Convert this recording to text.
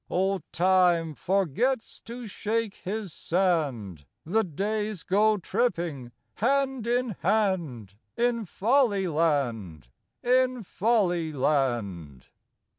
Old Time forgets to shake his sand ; The days go tripping, hand in hand, In Folly land, in Folly land.